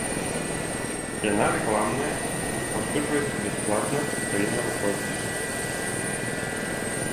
Яна рэкламная, распаўсюджваецца бясплатна і павінна выходзіць штотыдзень.